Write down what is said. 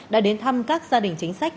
đã đến thăm các gia đình chính sách